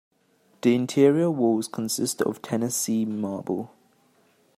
The interior walls consist of Tennessee marble.